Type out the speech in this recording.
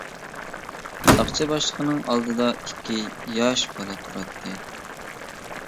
ساقچى باشلىقىنىڭ ئالدىدا ئىككى ياش بالا تۇراتتى.